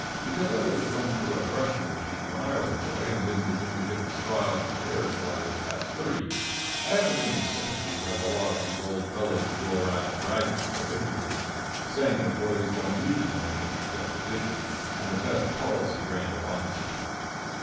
Because I was run through a threshing machine when I was a boy, and didn't begin to get the straw out of my hair till I was past thirty, I haven't any sympathy with a lot of these old fellows who go around bragging of their ignorance and saying that boys don't need to know anything except addition and the "best policy" brand of honesty.